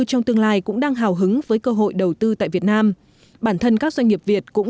trong tương lai cũng đang hào hứng với cơ hội đầu tư tại việt nam bản thân các doanh nghiệp việt cũng